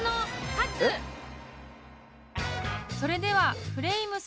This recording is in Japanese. ［それでは］